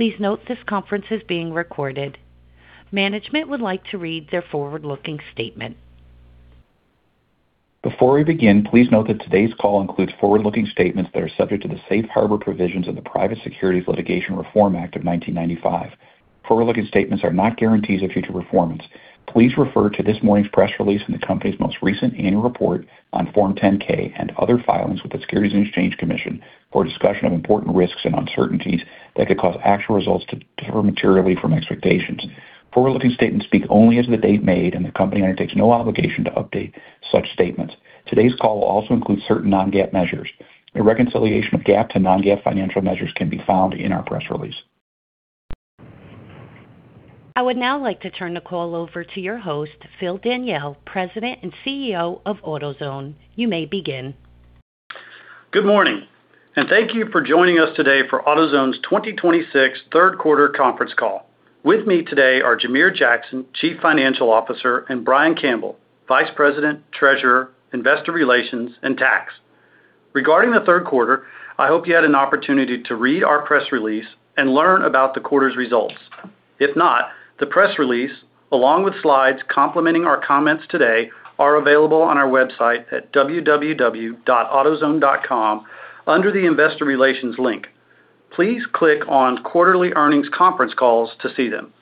Please note this conference is being recorded. Management would like to read their forward-looking statement. Before we begin, please note that today's call includes forward-looking statements that are subject to the safe harbor provisions of the Private Securities Litigation Reform Act of 1995. Forward-looking statements are not guarantees of future performance. Please refer to this morning's press release and the company's most recent annual report on Form 10-K, and other filings with the Securities and Exchange Commission for a discussion of important risks and uncertainties that could cause actual results to differ materially from expectations. Forward-looking statements speak only as of the date made. The company undertakes no obligation to update such statements. Today's call also includes certain non-GAAP measures. A reconciliation of GAAP to non-GAAP financial measures can be found in our press release. I would now like to turn the call over to your host, Phil Daniele, President and CEO of AutoZone. You may begin. Good morning, and thank you for joining us today for AutoZone's 2026 third quarter conference call. With me today are Jamere Jackson, Chief Financial Officer, and Brian Campbell, Vice President, Treasurer, Investor Relations, and Tax. Regarding the third quarter, I hope you had an opportunity to read our press release and learn about the quarter's results. If not, the press release, along with slides complementing our comments today, are available on our website at www.autozone.com under the Investor Relations link. Please click on Quarterly Earnings Conference Calls to see them.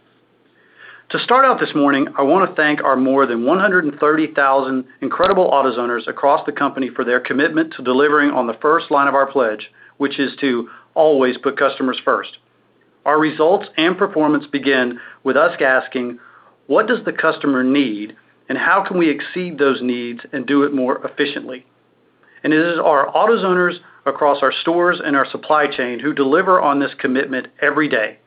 To start off this morning, I want to thank our more than 130,000 incredible AutoZoners across the company for their commitment to delivering on the first line of our pledge, which is to always put customers first. Our results and performance begin with us asking, "What does the customer need, and how can we exceed those needs and do it more efficiently?" It is our AutoZoners across our stores and our supply chain who deliver on this commitment every day.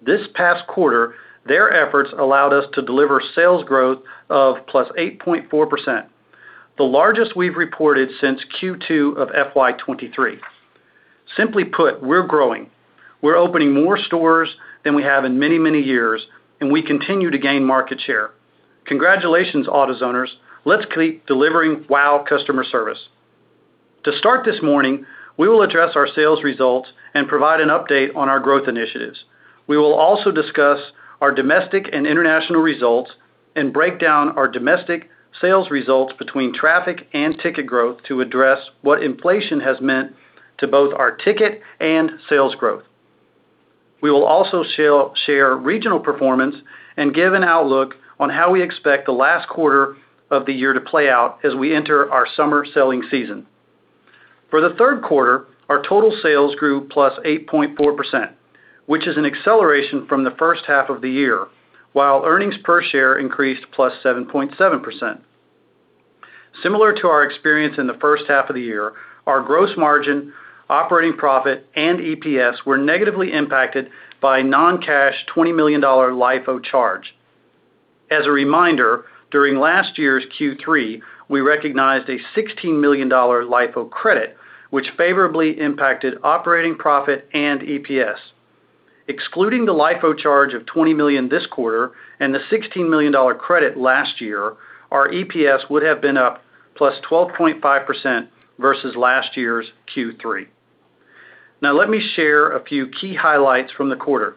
This past quarter, their efforts allowed us to deliver sales growth of +8.4%, the largest we've reported since Q2 of FY 2023. Simply put, we're growing. We're opening more stores than we have in many, many years, and we continue to gain market share. Congratulations, AutoZoners. Let's keep delivering wow customer service. To start this morning, we will address our sales results and provide an update on our growth initiatives. We will also discuss our domestic and international results and break down our domestic sales results between traffic and ticket growth to address what inflation has meant to both our ticket and sales growth. We will also share regional performance and give an outlook on how we expect the last quarter of the year to play out as we enter our summer selling season. For the third quarter, our total sales grew +8.4%, which is an acceleration from the first half of the year, while earnings per share increased +7.7%. Similar to our experience in the first half of the year, our gross margin, operating profit, and EPS were negatively impacted by a non-cash $20 million LIFO charge. As a reminder, during last year's Q3, we recognized a $16 million LIFO credit, which favorably impacted operating profit and EPS. Excluding the LIFO charge of $20 million this quarter and the $16 million credit last year, our EPS would have been up +12.5% versus last year's Q3. Now let me share a few key highlights from the quarter.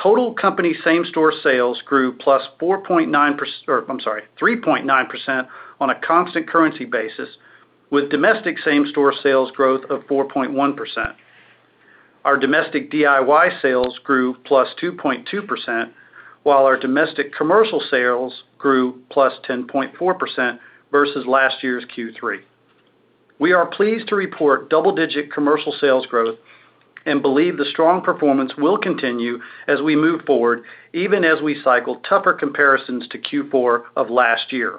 Total company same-store sales grew +3.9% on a constant currency basis, with domestic same-store sales growth of 4.1%. Our domestic DIY sales grew +2.2%, while our domestic commercial sales grew +10.4% versus last year's Q3. We are pleased to report double-digit commercial sales growth and believe the strong performance will continue as we move forward, even as we cycle tougher comparisons to Q4 of last year.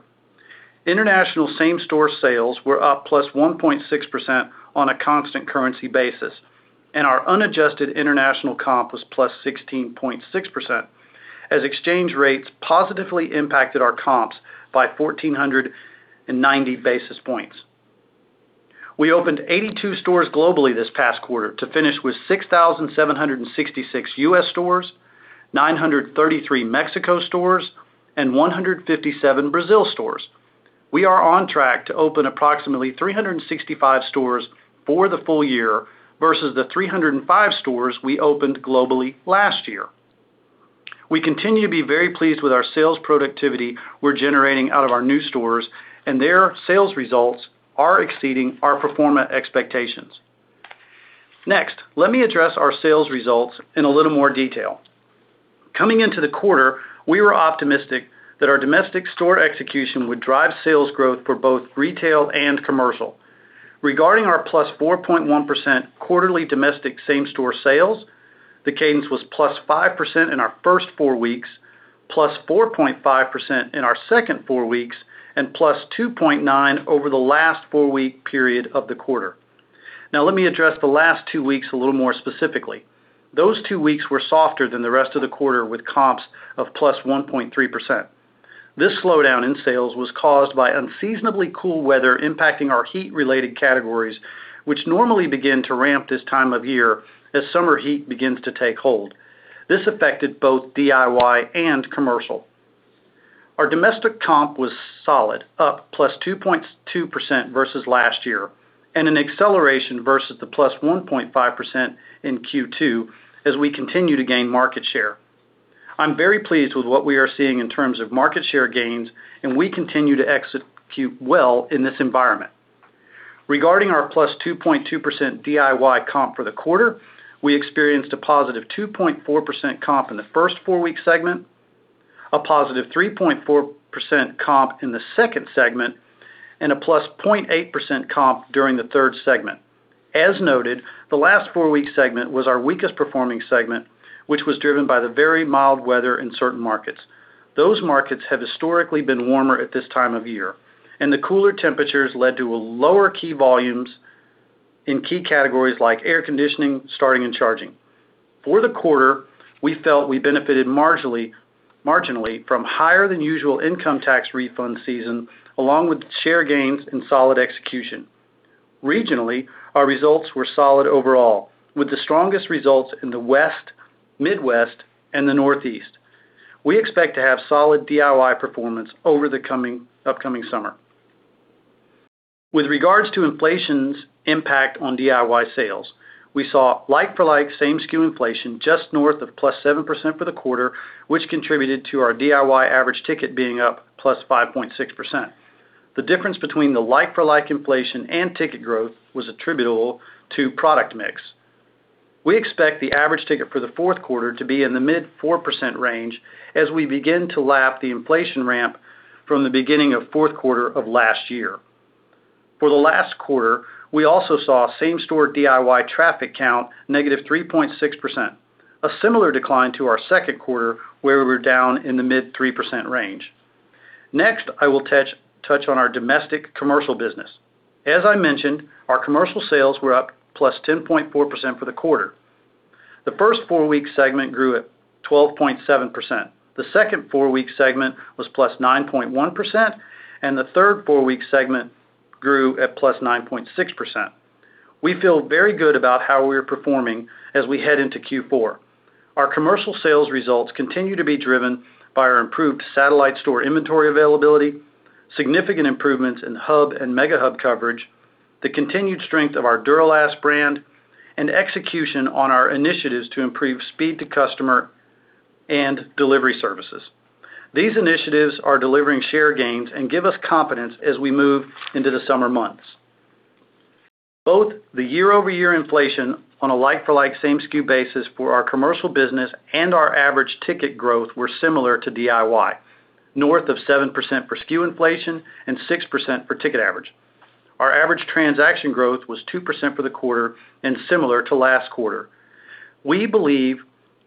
International same-store sales were up +1.6% on a constant currency basis, and our unadjusted international comp was +16.6%, as exchange rates positively impacted our comps by 1,490 basis points. We opened 82 stores globally this past quarter to finish with 6,766 U.S. stores, 933 Mexico stores, and 157 Brazil stores. We are on track to open approximately 365 stores for the full year versus the 305 stores we opened globally last year. We continue to be very pleased with our sales productivity we're generating out of our new stores, and their sales results are exceeding our pro forma expectations. Let me address our sales results in a little more detail. Coming into the quarter, we were optimistic that our domestic store execution would drive sales growth for both retail and commercial. Regarding our +4.1% quarterly domestic same-store sales, the gains was +5% in our first four weeks, +4.5% in our second four weeks, and +2.9% over the last four-week period of the quarter. Let me address the last two weeks a little more specifically. Those two weeks were softer than the rest of the quarter with comps of +1.3%. This slowdown in sales was caused by unseasonably cool weather impacting our heat-related categories, which normally begin to ramp this time of year as summer heat begins to take hold. This affected both DIY and commercial. Our domestic comp was solid, up +2.2% versus last year, and an acceleration versus the +1.5% in Q2 as we continue to gain market share. I'm very pleased with what we are seeing in terms of market share gains, and we continue to execute well in this environment. Regarding our +2.2% DIY comp for the quarter, we experienced a +2.4% comp in the first four-week segment, a +3.4% comp in the second segment, and a +0.8% comp during the third segment. As noted, the last four-week segment was our weakest performing segment, which was driven by the very mild weather in certain markets. Those markets have historically been warmer at this time of year, and the cooler temperatures led to lower key volumes in key categories like air conditioning, starting, and charging. For the quarter, we felt we benefited marginally from higher-than-usual income tax refund season, along with share gains and solid execution. Regionally, our results were solid overall, with the strongest results in the West, Midwest, and the Northeast. We expect to have solid DIY performance over the upcoming summer. With regards to inflation's impact on DIY sales, we saw like-for-like same-SKU inflation just north of +7% for the quarter, which contributed to our DIY average ticket being up +5.6%. The difference between the like-for-like inflation and ticket growth was attributable to product mix. We expect the average ticket for the fourth quarter to be in the mid-4% range as we begin to lap the inflation ramp from the beginning of the fourth quarter of last year. For the last quarter, we also saw same-store DIY traffic count -3.6%, a similar decline to our second quarter, where we were down in the mid-3% range. I will touch on our domestic commercial business. As I mentioned, our commercial sales were up +10.4% for the quarter. The first four-week segment grew at 12.7%. The second four-week segment was +9.1%, and the third four-week segment grew at +9.6%. We feel very good about how we are performing as we head into Q4. Our commercial sales results continue to be driven by our improved satellite store inventory availability, significant improvements in Hub and MegaHub coverage, the continued strength of our Duralast brand, and execution on our initiatives to improve speed to customer and delivery services. These initiatives are delivering share gains and give us confidence as we move into the summer months. Both the year-over-year inflation on a like-for-like same-SKU basis for our commercial business and our average ticket growth were similar to DIY, north of 7% for SKU inflation and 6% for ticket average. Our average transaction growth was 2% for the quarter and similar to last quarter. We believe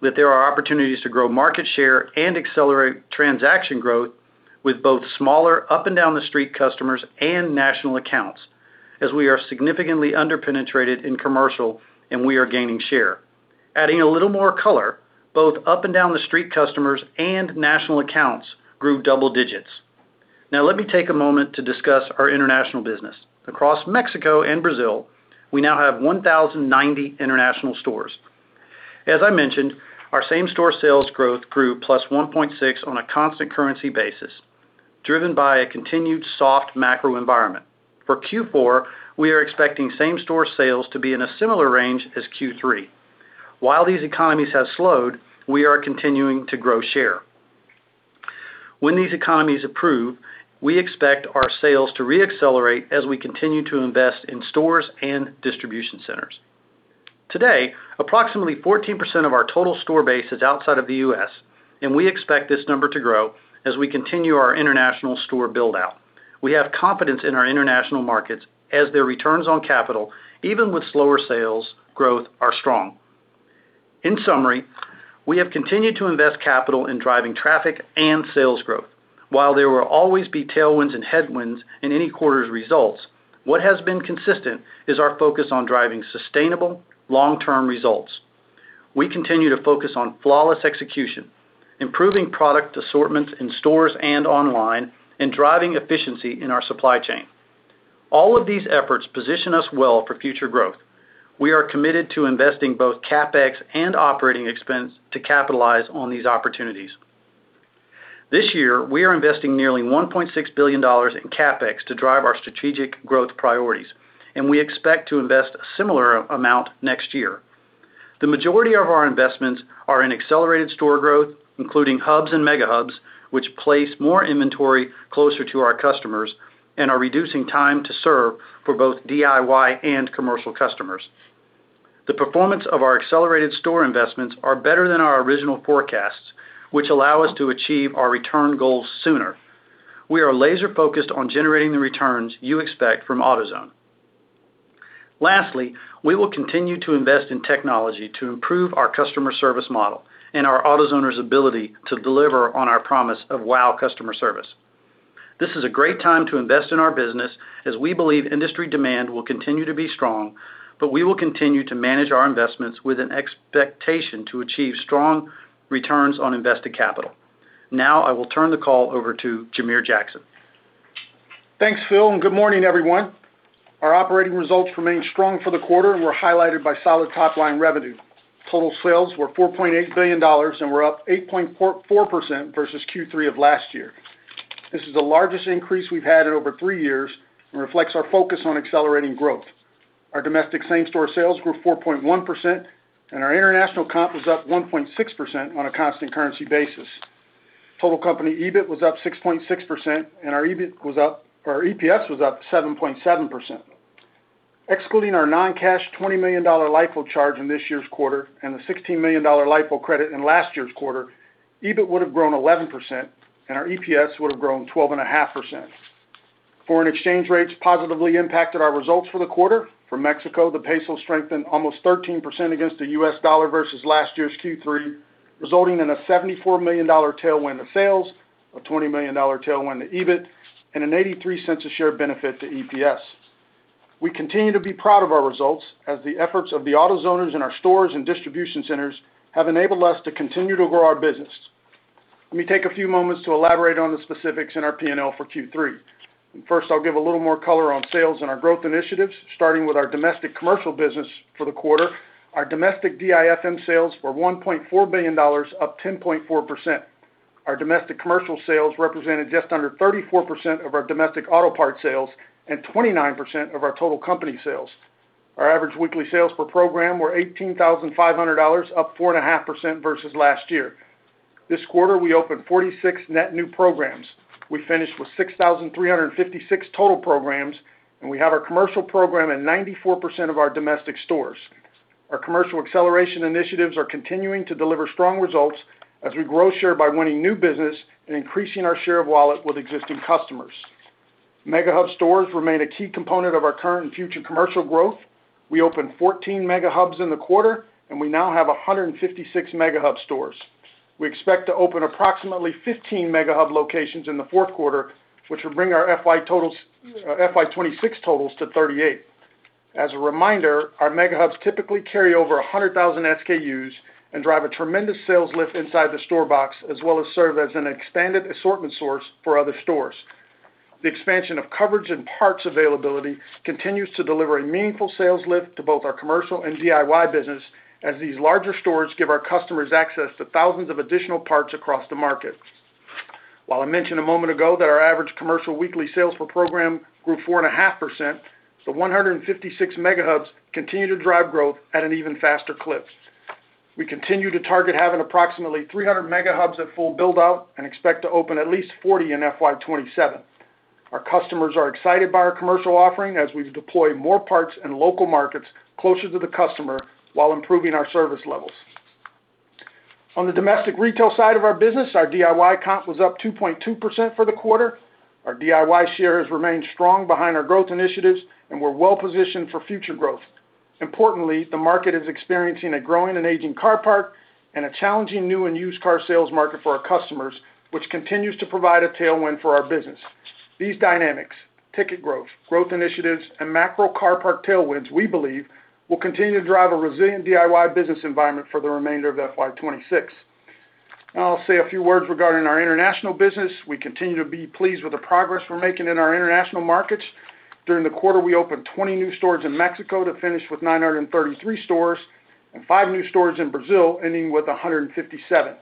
that there are opportunities to grow market share and accelerate transaction growth with both smaller up-and-down-the-street customers and national accounts, as we are significantly under-penetrated in commercial and we are gaining share. Adding a little more color, both up-and-down the street customers and national accounts grew double digits. Let me take a moment to discuss our international business. Across Mexico and Brazil, we now have 1,090 international stores. As I mentioned, our same-store sales growth grew +1.6% on a constant currency basis, driven by a continued soft macro environment. For Q4, we are expecting same-store sales to be in a similar range as Q3. While these economies have slowed, we are continuing to grow share. When these economies improve, we expect our sales to re-accelerate as we continue to invest in stores and distribution centers. Today, approximately 14% of our total store base is outside of the U.S., and we expect this number to grow as we continue our international store build-out. We have confidence in our international markets as their returns on capital, even with slower sales growth, are strong. In summary, we have continued to invest capital in driving traffic and sales growth. While there will always be tailwinds and headwinds in any quarter's results, what has been consistent is our focus on driving sustainable long-term results. We continue to focus on flawless execution, improving product assortments in stores and online, and driving efficiency in our supply chain. All of these efforts position us well for future growth. We are committed to investing both CapEx and operating expense to capitalize on these opportunities. This year, we are investing nearly $1.6 billion in CapEx to drive our strategic growth priorities, and we expect to invest a similar amount next year. The majority of our investments are in accelerated store growth, including Hubs and MegaHubs, which place more inventory closer to our customers and are reducing time to serve for both DIY and commercial customers. The performance of our accelerated store investments are better than our original forecasts, which allow us to achieve our return goals sooner. We are laser-focused on generating the returns you expect from AutoZone. Lastly, we will continue to invest in technology to improve our customer service model and our AutoZoners' ability to deliver on our promise of wow customer service. This is a great time to invest in our business as we believe industry demand will continue to be strong, but we will continue to manage our investments with an expectation to achieve strong returns on invested capital. Now I will turn the call over to Jamere Jackson. Thanks, Phil, and good morning, everyone. Our operating results remained strong for the quarter and were highlighted by solid top-line revenue. Total sales were $4.8 billion and were up 8.4% versus Q3 of last year. This is the largest increase we've had in over three years and reflects our focus on accelerating growth. Our domestic same-store sales grew 4.1%, and our international comp was up 1.6% on a constant currency basis. Total company EBIT was up 6.6%, and our EPS was up 7.7%. Excluding our non-cash $20 million LIFO charge in this year's quarter and the $16 million LIFO credit in last year's quarter, EBIT would have grown 11% and our EPS would have grown 12.5%. Foreign exchange rates positively impacted our results for the quarter. For Mexico, the peso strengthened almost 13% against the U.S. dollar versus last year's Q3, resulting in a $74 million tailwind to sales, a $20 million tailwind to EBIT, and an $0.83 a share benefit to EPS. We continue to be proud of our results as the efforts of the AutoZoners in our stores and distribution centers have enabled us to continue to grow our business. Let me take a few moments to elaborate on the specifics in our P&L for Q3. First, I'll give a little more color on sales and our growth initiatives, starting with our domestic commercial business for the quarter. Our domestic DIFM sales were $1.4 billion, up 10.4%. Our domestic commercial sales represented just under 34% of our domestic auto part sales and 29% of our total company sales. Our average weekly sales per program were $18,500, up 4.5% versus last year. This quarter, we opened 46 net new programs. We finished with 6,356 total programs, and we have our commercial program in 94% of our domestic stores. Our commercial acceleration initiatives are continuing to deliver strong results as we grow share by winning new business and increasing our share of wallet with existing customers. MegaHub stores remain a key component of our current and future commercial growth. We opened 14 MegaHubs in the quarter, and we now have 156 MegaHub stores. We expect to open approximately 15 MegaHub locations in the fourth quarter, which will bring our FY 2026 totals to 38. As a reminder, our MegaHubs typically carry over 100,000 SKUs and drive a tremendous sales lift inside the store box, as well as serve as an expanded assortment source for other stores. The expansion of coverage and parts availability continues to deliver a meaningful sales lift to both our commercial and DIY business as these larger stores give our customers access to thousands of additional parts across the market. While I mentioned a moment ago that our average commercial weekly sales per program grew 4.5%, the 156 MegaHubs continue to drive growth at an even faster clip. We continue to target having approximately 300 MegaHubs at full build-out and expect to open at least 40 in FY 2027. Our customers are excited by our commercial offering as we've deployed more parts in local markets closer to the customer while improving our service levels. On the domestic retail side of our business, our DIY comp was up 2.2% for the quarter. Our DIY share has remained strong behind our growth initiatives, and we're well-positioned for future growth. Importantly, the market is experiencing a growing and aging car parc and a challenging new and used car sales market for our customers, which continues to provide a tailwind for our business. These dynamics, ticket growth initiatives, and macro car parc tailwinds, we believe, will continue to drive a resilient DIY business environment for the remainder of FY 2026. Now, I'll say a few words regarding our international business. We continue to be pleased with the progress we're making in our international markets. During the quarter, we opened 20 new stores in Mexico to finish with 933 stores and five new stores in Brazil, ending with 157.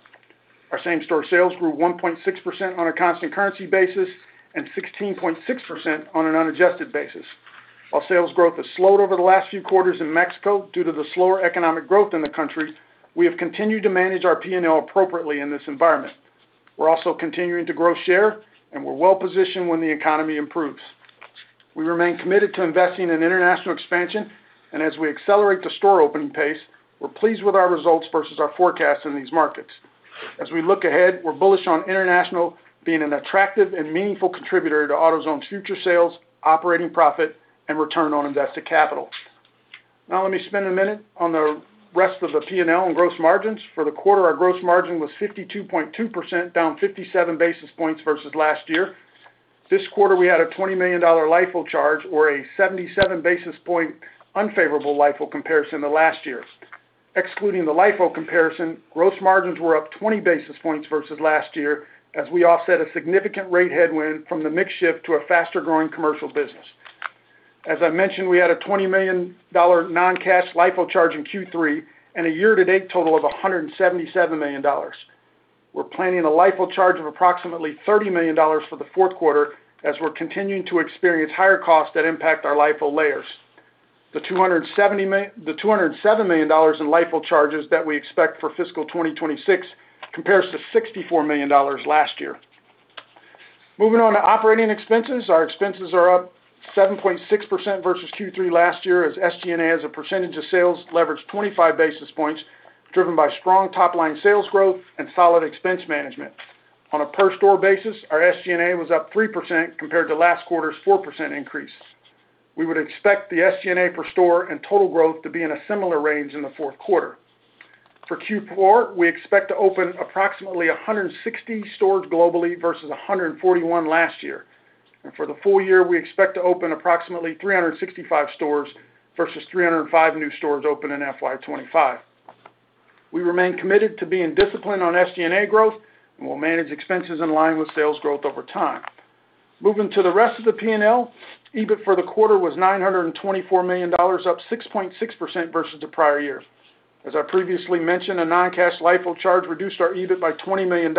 Our same-store sales grew 1.6% on a constant currency basis and 16.6% on an unadjusted basis. While sales growth has slowed over the last few quarters in Mexico due to the slower economic growth in the country, we have continued to manage our P&L appropriately in this environment. We're also continuing to grow share, and we're well-positioned when the economy improves. We remain committed to investing in international expansion, and as we accelerate the store opening pace, we're pleased with our results versus our forecast in these markets. As we look ahead, we're bullish on international being an attractive and meaningful contributor to AutoZone's future sales, operating profit, and return on invested capital. Now, let me spend a minute on the rest of the P&L and gross margins. For the quarter, our gross margin was 52.2%, down 57 basis points versus last year. This quarter, we had a $20 million LIFO charge or a 77 basis point unfavorable LIFO comparison to last year's. Excluding the LIFO comparison, gross margins were up 20 basis points versus last year as we offset a significant rate headwind from the mix shift to a faster-growing commercial business. As I mentioned, we had a $20 million non-cash LIFO charge in Q3 and a year-to-date total of $177 million. We're planning a LIFO charge of approximately $30 million for the fourth quarter as we're continuing to experience higher costs that impact our LIFO layers. The $207 million in LIFO charges that we expect for FY 2026 compares to $64 million last year. Moving on to operating expenses. Our expenses are up 7.6% versus Q3 last year as SG&A as a percentage of sales leveraged 25 basis points, driven by strong top-line sales growth and solid expense management. On a per store basis, our SG&A was up 3% compared to last quarter's 4% increase. We would expect the SG&A per store and total growth to be in a similar range in the fourth quarter. For Q4, we expect to open approximately 160 stores globally versus 141 last year. For the full year, we expect to open approximately 365 stores versus 305 new stores opened in FY 2025. We remain committed to being disciplined on SG&A growth, we'll manage expenses in line with sales growth over time. Moving to the rest of the P&L, EBIT for the quarter was $924 million, up 6.6% versus the prior year. As I previously mentioned, the non-cash LIFO charge reduced our EBIT by $20 million.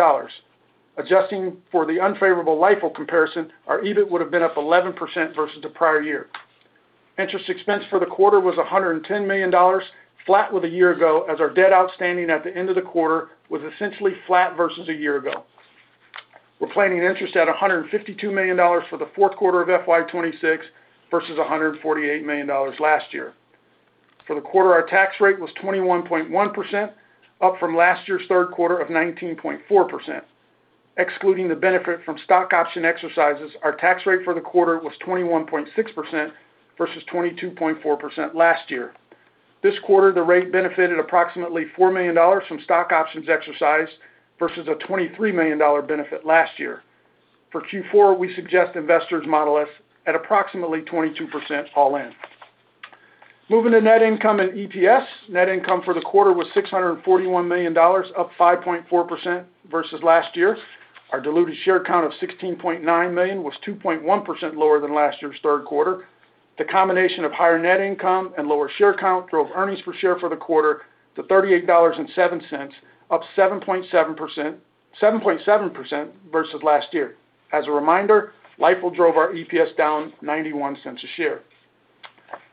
Adjusting for the unfavorable LIFO comparison, our EBIT would have been up 11% versus the prior year. Interest expense for the quarter was $110 million, flat with a year ago as our debt outstanding at the end of the quarter was essentially flat versus a year ago. We're planning interest at $152 million for the fourth quarter of FY 2026 versus $148 million last year. For the quarter, our tax rate was 21.1%, up from last year's third quarter of 19.4%. Excluding the benefit from stock option exercises, our tax rate for the quarter was 21.6% versus 22.4% last year. This quarter, the rate benefited approximately $4 million from stock options exercised versus a $23 million benefit last year. For Q4, we suggest investors model us at approximately 22% all in. Moving to net income and EPS, net income for the quarter was $641 million, up 5.4% versus last year. Our diluted share count of 16.9 million was 2.1% lower than last year's third quarter. The combination of higher net income and lower share count drove earnings per share for the quarter to $38.07, up 7.7% versus last year. As a reminder, LIFO drove our EPS down $0.91 a share.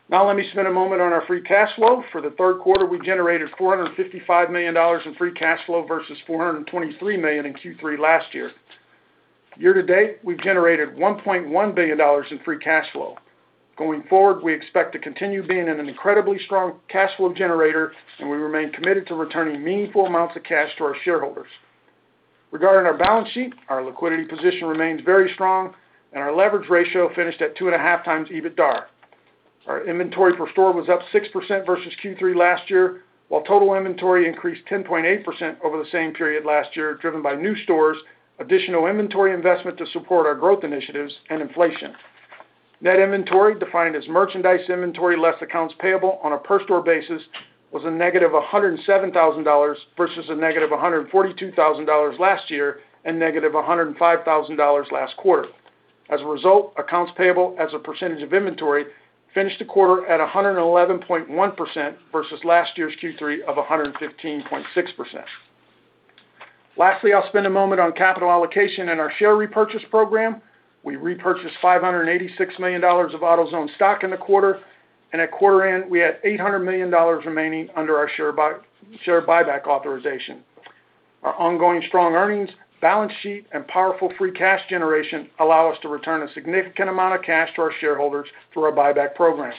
Let me spend a moment on our free cash flow. For the third quarter, we generated $455 million in free cash flow versus $423 million in Q3 last year. Year to date, we've generated $1.1 billion in free cash flow. Going forward, we expect to continue being an incredibly strong cash flow generator, and we remain committed to returning meaningful amounts of cash to our shareholders. Regarding our balance sheet, our liquidity position remains very strong, and our leverage ratio finished at 2.5x EBITDA. Our inventory per store was up 6% versus Q3 last year, while total inventory increased 10.8% over the same period last year, driven by new stores, additional inventory investment to support our growth initiatives, and inflation. Net inventory, defined as merchandise inventory less accounts payable on a per store basis, was a -$107,000 versus a -$142,000 last year and -$105,000 last quarter. As a result, accounts payable as a percentage of inventory finished the quarter at 111.1% versus last year's Q3 of 115.6%. Lastly, I'll spend a moment on capital allocation and our share repurchase program. We repurchased $586 million of AutoZone stock in the quarter, and at quarter end, we had $800 million remaining under our share buyback authorization. Our ongoing strong earnings, balance sheet, and powerful free cash generation allow us to return a significant amount of cash to our shareholders through our buyback program.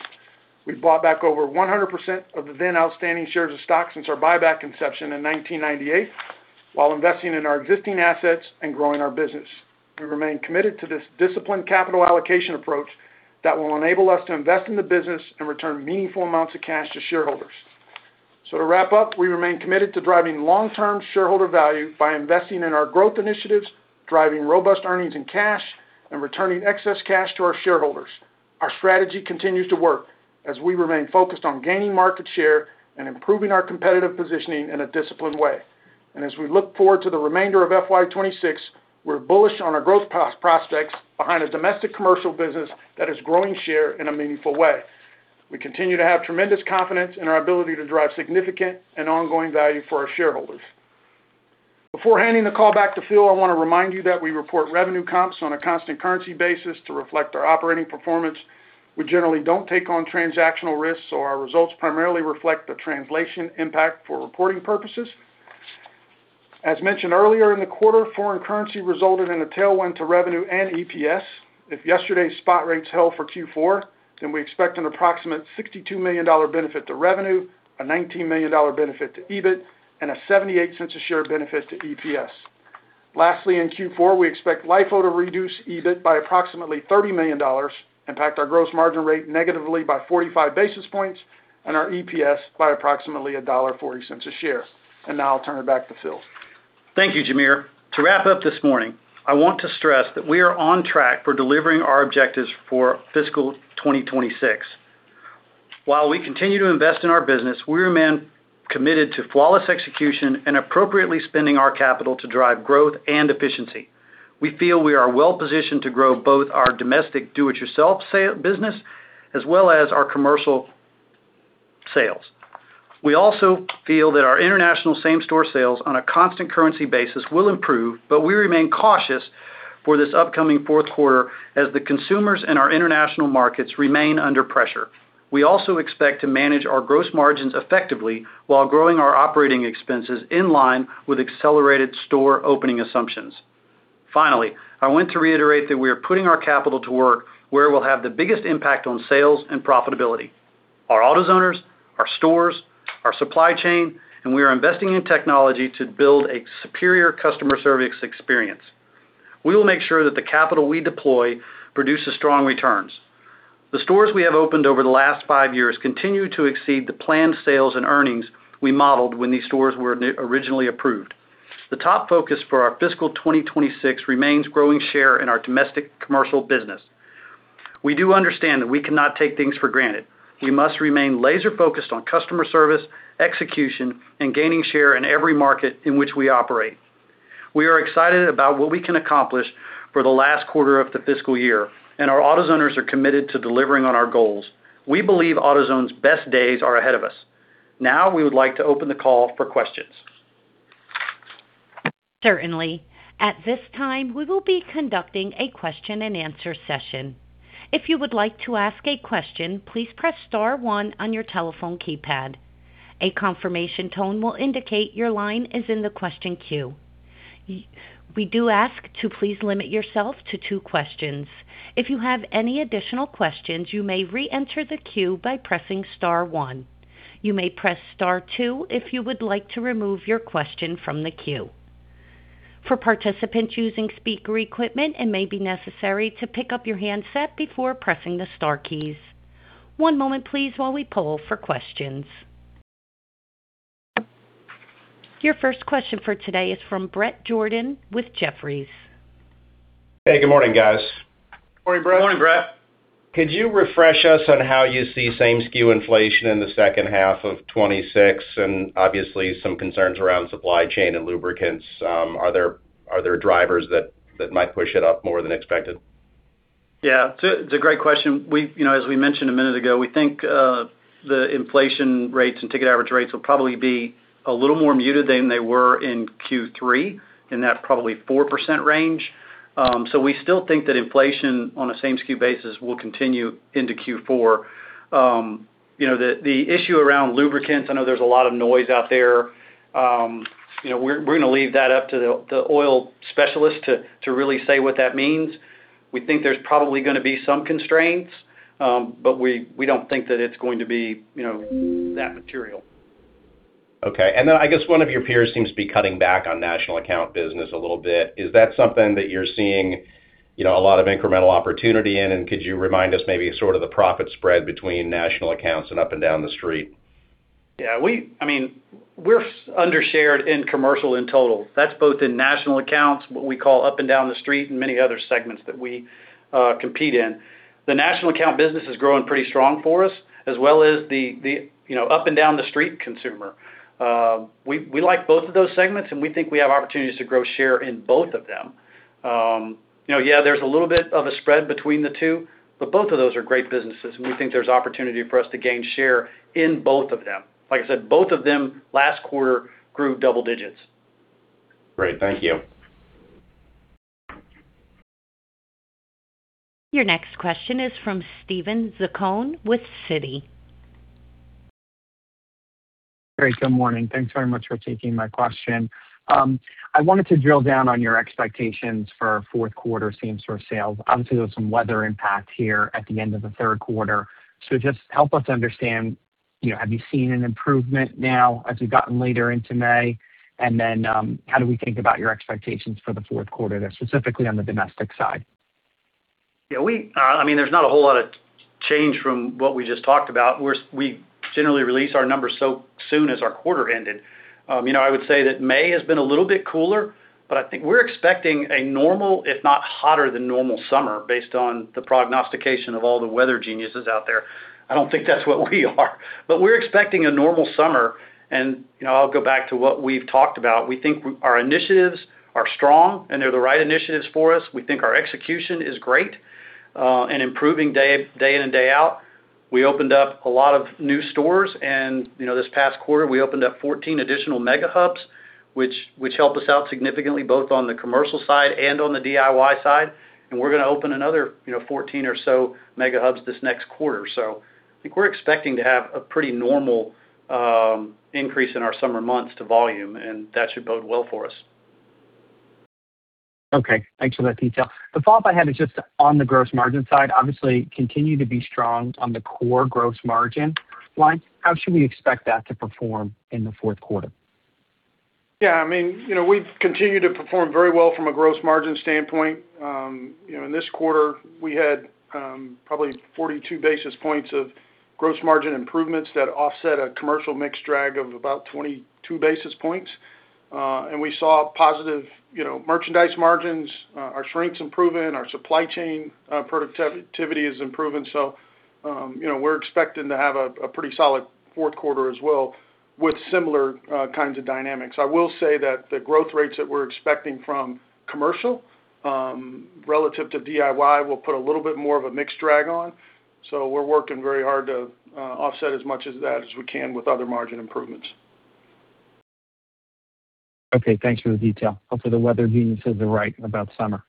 We've bought back over 100% of the then outstanding shares of stock since our buyback inception in 1998 while investing in our existing assets and growing our business. We remain committed to this disciplined capital allocation approach that will enable us to invest in the business and return meaningful amounts of cash to shareholders. To wrap up, we remain committed to driving long-term shareholder value by investing in our growth initiatives, driving robust earnings and cash, and returning excess cash to our shareholders. Our strategy continues to work as we remain focused on gaining market share and improving our competitive positioning in a disciplined way. As we look forward to the remainder of FY 2026, we're bullish on our growth prospects behind a domestic commercial business that is growing share in a meaningful way. We continue to have tremendous confidence in our ability to drive significant and ongoing value for our shareholders. Before handing the call back to Phil, I want to remind you that we report revenue comps on a constant currency basis to reflect our operating performance. We generally don't take on transactional risk. Our results primarily reflect the translation impact for reporting purposes. As mentioned earlier in the quarter, foreign currency resulted in a tailwind to revenue and EPS. If yesterday's spot rates held for Q4, we expect an approximate $62 million benefit to revenue, a $19 million benefit to EBIT, and a $0.78 a share benefit to EPS. Lastly, in Q4, we expect LIFO to reduce EBIT by approximately $30 million, impact our gross margin rate negatively by 45 basis points, and our EPS by approximately $1.40 a share. Now I'll turn it back to Phil. Thank you, Jamere. To wrap up this morning, I want to stress that we are on track for delivering our objectives for fiscal 2026. While we continue to invest in our business, we remain committed to flawless execution and appropriately spending our capital to drive growth and efficiency. We feel we are well positioned to grow both our domestic do-it-yourself business as well as our commercial sales. We also feel that our international same-store sales on a constant currency basis will improve, but we remain cautious for this upcoming fourth quarter as the consumers in our international markets remain under pressure. We also expect to manage our gross margins effectively while growing our operating expenses in line with accelerated store opening assumptions. Finally, I want to reiterate that we are putting our capital to work where it will have the biggest impact on sales and profitability. Our AutoZoners, our stores, our supply chain, and we are investing in technology to build a superior customer service experience. We will make sure that the capital we deploy produces strong returns. The stores we have opened over the last five years continue to exceed the planned sales and earnings we modeled when these stores were originally approved. The top focus for our fiscal 2026 remains growing share in our domestic commercial business. We do understand that we cannot take things for granted. We must remain laser-focused on customer service, execution, and gaining share in every market in which we operate. We are excited about what we can accomplish for the last quarter of the fiscal year, and our AutoZoners are committed to delivering on our goals. We believe AutoZone's best days are ahead of us. Now, we would like to open the call for questions. Certainly. At this time, we will be conducting a question and answer session. If you would like to ask a question, please press star one on your telephone keypad. A confirmation tone will indicate your line is in the question queue. We do ask to please limit yourself to two questions. If you have any additional questions, you may reenter the queue by pressing star one. You may press star two if you would like to remove your question from the queue. For participants using speaker equipment, it may be necessary to pick up your handset before pressing the star keys. One moment please while we poll for questions. Your first question for today is from Bret Jordan with Jefferies. Hey, good morning, guys. Morning, Bret. Morning, Bret. Could you refresh us on how you see same SKU inflation in the second half of 2026, and obviously some concerns around supply chain and lubricants? Are there drivers that might push it up more than expected? Yeah. It's a great question. As we mentioned a minute ago, we think the inflation rates and ticket average rates will probably be a little more muted than they were in Q3, in that probably 4% range. We still think that inflation on a same SKU basis will continue into Q4. The issue around lubricants, I know there's a lot of noise out there. We're going to leave that up to the oil specialists to really say what that means. We think there's probably going to be some constraints, but we don't think that it's going to be that material. Okay. I guess one of your peers seems to be cutting back on national account business a little bit. Is that something that you're seeing a lot of incremental opportunity in, and could you remind us maybe sort of the profit spread between national accounts and up and down the street? Yeah. We're under-shared in commercial in total. That's both in national accounts, what we call up and down the street, and many other segments that we compete in. The national account business is growing pretty strong for us, as well as the up-and-down-the-street consumer. We like both of those segments, and we think we have opportunities to grow share in both of them. Yeah, there's a little bit of a spread between the two, but both of those are great businesses, and we think there's opportunity for us to gain share in both of them. Like I said, both of them last quarter grew double digits. Great. Thank you. Your next question is from Steven Zaccone with Citi. Great. Good morning. Thanks very much for taking my question. I wanted to drill down on your expectations for fourth quarter same store sales. Obviously, there was some weather impact here at the end of the third quarter. Just help us understand, have you seen an improvement now as we've gotten later into May? How do we think about your expectations for the fourth quarter there, specifically on the domestic side? There's not a whole lot of change from what we just talked about. We generally release our numbers so soon as our quarter ended. I would say that May has been a little bit cooler, but I think we're expecting a normal, if not hotter than normal summer based on the prognostication of all the weather geniuses out there. I don't think that's what we are, but we're expecting a normal summer. I'll go back to what we've talked about. We think our initiatives are strong and they're the right initiatives for us. We think our execution is great and improving day in and day out. We opened up a lot of new stores, and this past quarter, we opened up 14 additional MegaHubs, which help us out significantly both on the commercial side and on the DIY side, and we're going to open another 14 or so MegaHubs this next quarter. I think we're expecting to have a pretty normal increase in our summer months to volume, and that should bode well for us. Okay. Thanks for that detail. The follow up I had is just on the gross margin side. Obviously, continue to be strong on the core gross margin lines. How should we expect that to perform in the fourth quarter? Yeah. We've continued to perform very well from a gross margin standpoint. In this quarter, we had probably 42 basis points of gross margin improvements that offset a commercial mix drag of about 22 basis points. We saw positive merchandise margins, our shrink's improving, our supply chain productivity is improving. We're expecting to have a pretty solid fourth quarter as well with similar kinds of dynamics. I will say that the growth rates that we're expecting from commercial, relative to DIY, will put a little bit more of a mix drag on. We're working very hard to offset as much of that as we can with other margin improvements. Okay. Thanks for the detail. Hopefully the weather geniuses are right about summer.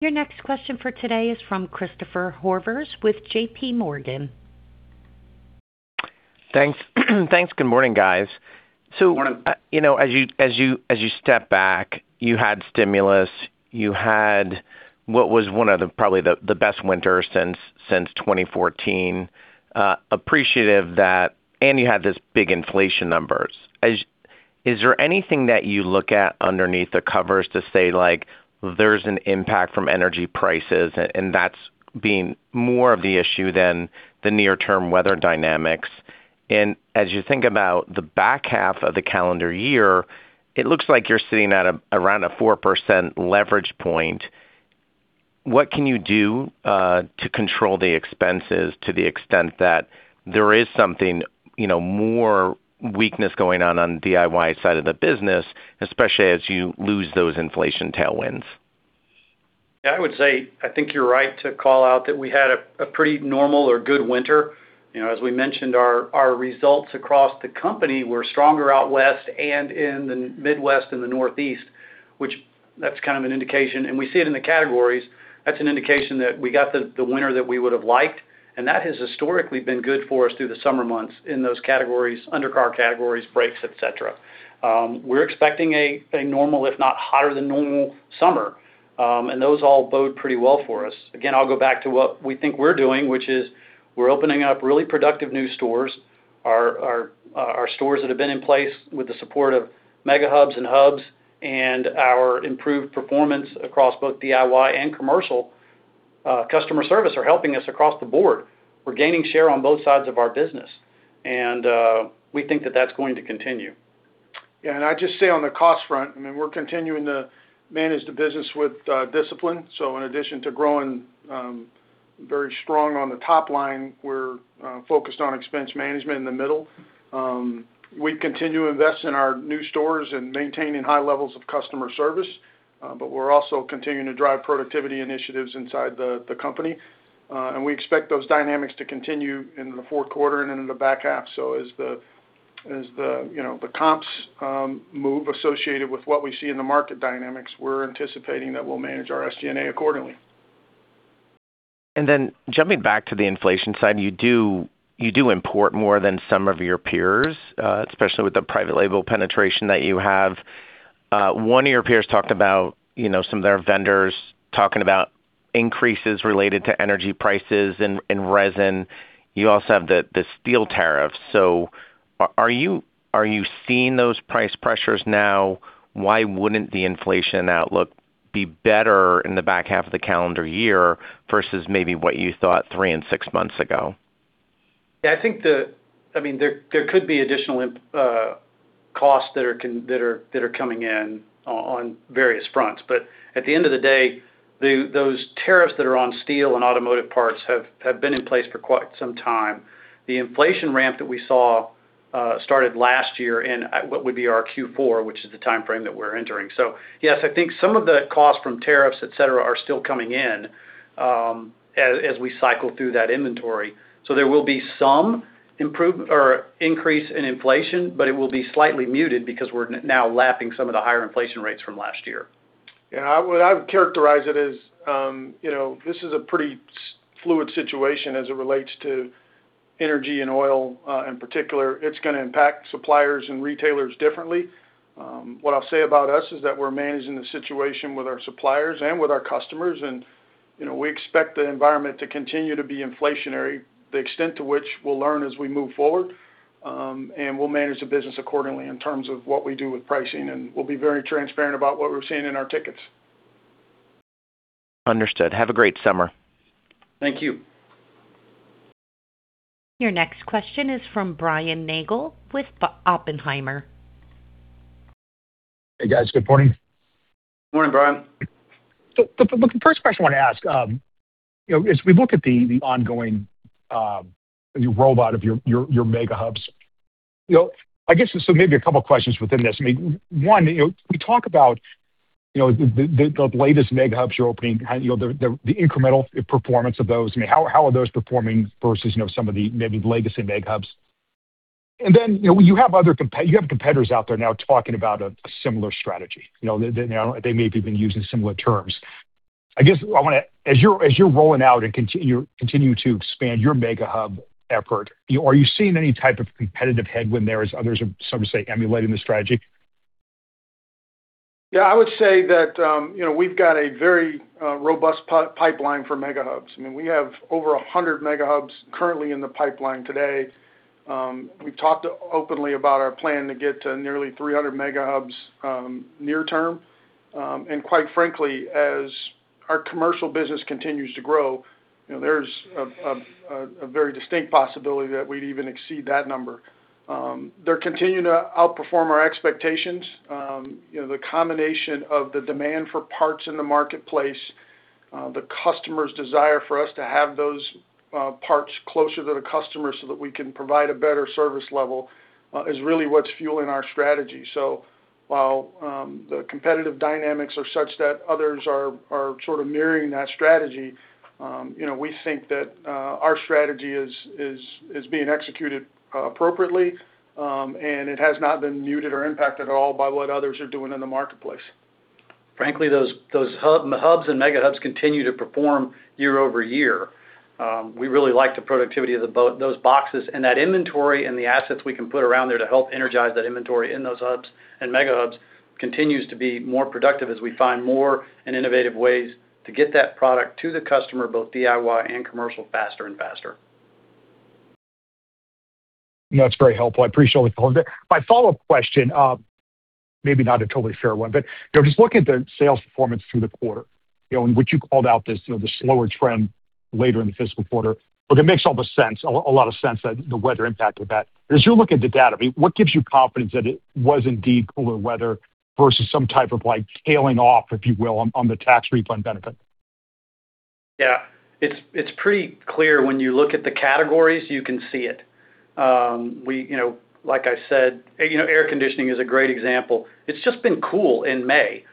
Your next question for today is from Christopher Horvers with JPMorgan. Thanks. Good morning, guys. Morning. As you step back, you had stimulus, you had what was one of probably the best winters since 2014, appreciative that, and you had these big inflation numbers. Is there anything that you look at underneath the covers to say there's an impact from energy prices and that's being more of the issue than the near term weather dynamics? As you think about the back half of the calendar year, it looks like you're sitting at around a 4% leverage point. What can you do to control the expenses to the extent that there is something, more weakness going on the DIY side of the business, especially as you lose those inflation tailwinds? I would say, I think you're right to call out that we had a pretty normal or good winter. As we mentioned, our results across the company were stronger out West and in the Midwest and the Northeast, which that's kind of an indication. We see it in the categories. That's an indication that we got the winter that we would've liked, and that has historically been good for us through the summer months in those categories, undercar categories, brakes, et cetera. We're expecting a normal, if not hotter than normal summer. Those all bode pretty well for us. Again, I'll go back to what we think we're doing, which is we're opening up really productive new stores. Our stores that have been in place with the support of MegaHubs and Hubs and our improved performance across both DIY and commercial customer service are helping us across the board. We're gaining share on both sides of our business, and we think that that's going to continue. Yeah, I'd just say on the cost front, we're continuing to manage the business with discipline. In addition to growing very strong on the top line, we're focused on expense management in the middle. We continue to invest in our new stores and maintaining high levels of customer service. We're also continuing to drive productivity initiatives inside the company. We expect those dynamics to continue into the fourth quarter and into the back half. As the comps move associated with what we see in the market dynamics, we're anticipating that we'll manage our SG&A accordingly. Jumping back to the inflation side, you do import more than some of your peers, especially with the private label penetration that you have. One of your peers talked about some of their vendors talking about increases related to energy prices and resin. You also have the steel tariffs. Are you seeing those price pressures now? Why wouldn't the inflation outlook be better in the back half of the calendar year versus maybe what you thought three and six months ago? Yeah, I think there could be additional costs that are coming in on various fronts. At the end of the day, those tariffs that are on steel and automotive parts have been in place for quite some time. The inflation ramp that we saw started last year in what would be our Q4, which is the timeframe that we're entering. Yes, I think some of the costs from tariffs, et cetera, are still coming in as we cycle through that inventory. There will be some increase in inflation, but it will be slightly muted because we're now lapping some of the higher inflation rates from last year. Yeah, I would characterize it as this is a pretty fluid situation as it relates to energy and oil in particular. It's going to impact suppliers and retailers differently. What I'll say about us is that we're managing the situation with our suppliers and with our customers, and we expect the environment to continue to be inflationary. The extent to which we'll learn as we move forward, and we'll manage the business accordingly in terms of what we do with pricing, and we'll be very transparent about what we're seeing in our tickets. Understood. Have a great summer. Thank you. Your next question is from Brian Nagel with Oppenheimer. Hey, guys. Good morning. Good morning, Brian. The first question I want to ask, as we look at the ongoing rollout of your MegaHubs, I guess. Maybe a couple questions within this. One, we talk about the latest MegaHubs you're opening, the incremental performance of those. How are those performing versus some of the maybe latest in MegaHubs? You have competitors out there now talking about a similar strategy. They may even be using similar terms. I guess as you're rolling out and continue to expand your MegaHub effort, are you seeing any type of competitive headwind there as others, some say, emulate the strategy? Yeah, I would say that we've got a very robust pipeline for MegaHubs. We have over 100 MegaHubs currently in the pipeline today. We talked openly about our plan to get to nearly 300 MegaHubs near term. Quite frankly, as our commercial business continues to grow, there's a very distinct possibility that we'd even exceed that number. They're continuing to outperform our expectations. The combination of the demand for parts in the marketplace, the customer's desire for us to have those parts closer to the customer so that we can provide a better service level is really what's fueling our strategy. While the competitive dynamics are such that others are sort of mirroring that strategy, we think that our strategy is being executed appropriately, and it has not been muted or impacted at all by what others are doing in the marketplace. Frankly, those Hubs and MegaHubs continue to perform year-over-year. We really like the productivity of those boxes, and that inventory and the assets we can put around there to help energize that inventory in those Hubs and MegaHubs continues to be more productive as we find more and innovative ways to get that product to the customer, both DIY and commercial, faster and faster. That's very helpful. I appreciate all the points there. My follow-up question, maybe not a totally fair one, just look at the sales performance through the quarter, in which you called out the slower trend later in the fiscal quarter. It makes a lot of sense that the weather impacted that. As you look at the data, what gives you confidence that it was indeed cooler weather versus some type of scaling off, if you will, on the tax refund benefit? Yeah. It's pretty clear when you look at the categories, you can see it. Like I said, air conditioning is a great example. It's just been cool in May,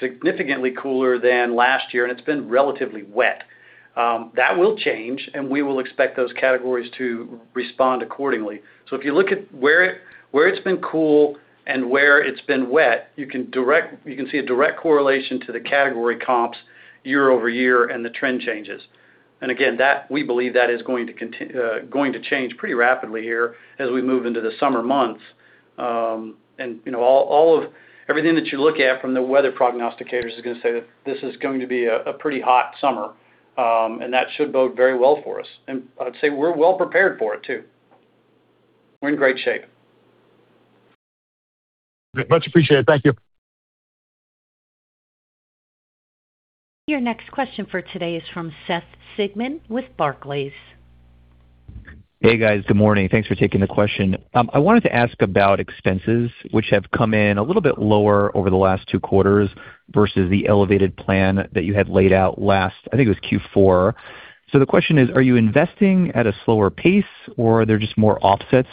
significantly cooler than last year, and it's been relatively wet. That will change, and we will expect those categories to respond accordingly. If you look at where it's been cool and where it's been wet, you can see a direct correlation to the category comps year-over-year and the trend changes. Again, we believe that is going to change pretty rapidly here as we move into the summer months. Everything that you look at from the weather prognosticators is going to say that this is going to be a pretty hot summer, and that should bode very well for us. I'd say we're well prepared for it, too. We're in great shape. Much appreciated. Thank you. Your next question for today is from Seth Sigman with Barclays. Hey, guys. Good morning. Thanks for taking the question. I wanted to ask about expenses, which have come in a little bit lower over the last two quarters versus the elevated plan that you had laid out last, I think it was Q4. The question is, are you investing at a slower pace, or are there just more offsets